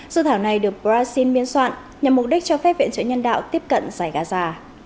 dự thảo này được brazil biên soạn nhằm mục đích cho phép viện trợ nhân đạo tiếp cận giải gaza